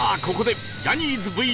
ここでジャニーズＶＳ